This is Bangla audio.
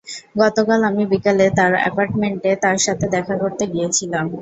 গতকাল, আমি বিকেলে তার অ্যাপার্টমেন্টে তার সাথে দেখা করতে গিয়েছিলাম।